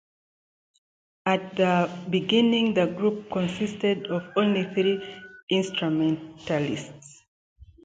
At the beginning the group consisted of only three instrumentalists.